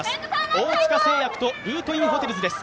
大塚製薬とルートインホテルズです。